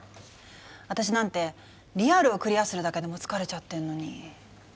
私なんてリアルをクリアするだけでも疲れちゃってんのに。